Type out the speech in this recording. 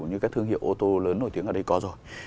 như các thương hiệu ô tô lớn nổi tiếng ở đây có rồi